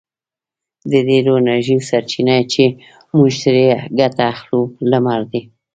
د ډېرو انرژیو سرچینه چې موږ ترې ګټه اخلو لمر دی.